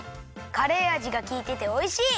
カレーあじがきいてておいしい！